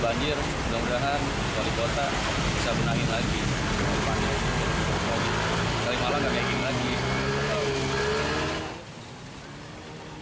banjir di kolong jalan lintas atas tol jor kalimalang kerap terjadi